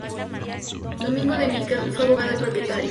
Domingo de Miquel fue abogado y propietario.